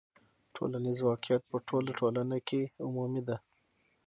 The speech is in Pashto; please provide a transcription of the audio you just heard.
ټولنیز واقعیت په ټوله ټولنه کې عمومي دی.